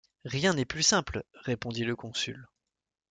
Rien n’est plus simple, répondit le consul.